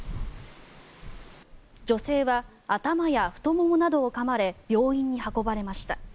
女性は頭や太ももなどをかまれ病院に運ばれました。